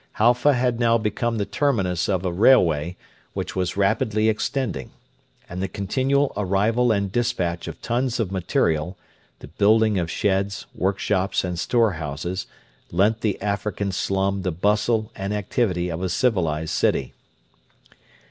Halfa had now become the terminus of a railway, which was rapidly extending; and the continual arrival and despatch of tons of material, the building of sheds, workshops, and storehouses lent the African slum the bustle and activity of a civilised city.